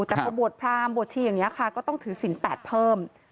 แต่พอบวชพรามบวชชีอย่างนี้ค่ะก็ต้องถือศิลปเพิ่ม